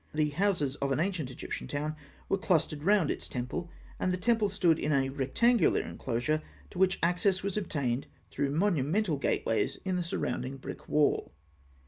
The houses of an ancient Egyptian town were clustered round its temple, and the temple stood in a rectangular enclosure to which access was obtained through monumental gateways in the surrounding brick wall.